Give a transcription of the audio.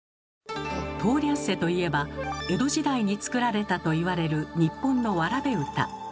「とおりゃんせ」といえば江戸時代に作られたと言われる日本のわらべうた。